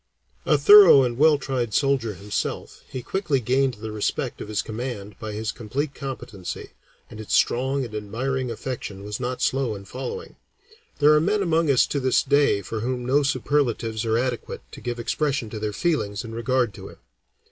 A thorough and well tried soldier himself, he quickly gained the respect of his command by his complete competency, and its strong and admiring affection was not slow in following. There are men among us to this day for whom no superlatives are adequate to give expression to their feelings in regard to him.